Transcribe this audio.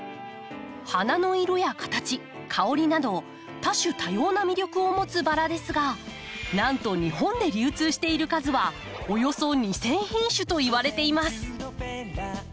花の色や形香りなど多種多様な魅力を持つバラですがなんと日本で流通している数はおよそ２，０００品種といわれています。